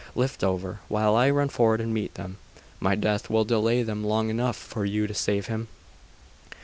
Lift over, while I run forward and meet them. My death will delay them long enough for you to save him!